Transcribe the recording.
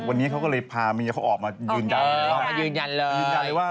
วันนี้เขาก็เลยพาเมียเขาออกมายืนยันเลยว่า